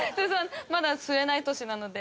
まだ吸えない年なので。